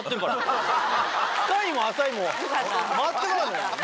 深いも浅いも全く分かんない